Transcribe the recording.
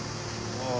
ああ。